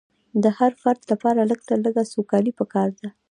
د هر فرد لپاره لږ تر لږه سوکالي پکار ده.